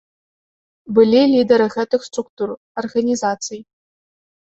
Былі лідары гэтых структур, арганізацый.